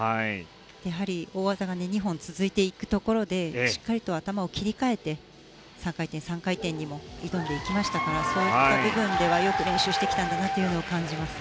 やはり大技が２本続ていくところでしっかりと頭を切り替えて３回転、３回転にも挑んでいきましたからそういった部分ではよく練習してきたなと感じます。